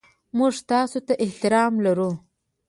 موږ تاسو ته احترام لرو.